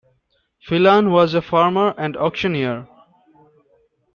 Phelan was a farmer and auctioneer.